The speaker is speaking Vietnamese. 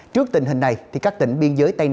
trước tình hình này thì các tỉnh biên giới tây ninh